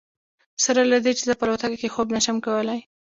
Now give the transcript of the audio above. سره له دې چې زه په الوتکه کې خوب نه شم کولی.